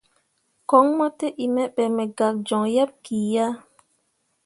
Koŋ mo te in me be, me gak joŋ yeḅ ki ya.